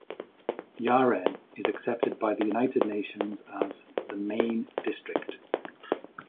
Yaren is accepted by the United Nations as the "main district".